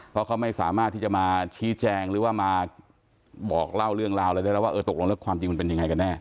เพราะเขาไม่สามารถที่จะมาชี้แจงหรือว่ามาบอกเล่าเรื่องราวอะไรได้แล้วว่าเออตกลงแล้วความจริงมันเป็นยังไงกันแน่